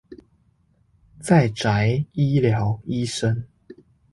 在宅醫療醫生